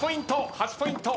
８ポイント。